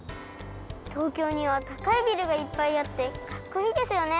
とうきょうにはたかいビルがいっぱいあってかっこいいですよね。